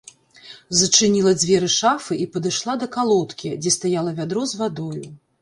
Зачыніла дзверы шафы і падышла да калодкі, дзе стаяла вядро з вадою.